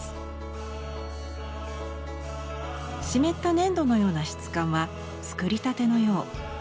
湿った粘土のような質感は作りたてのよう。